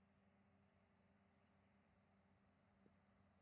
On the east rim of Mendelssohn is the crater Berry.